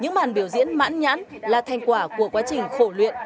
những màn biểu diễn mãn nhãn là thành quả của quá trình khổ luyện